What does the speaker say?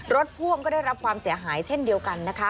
พ่วงก็ได้รับความเสียหายเช่นเดียวกันนะคะ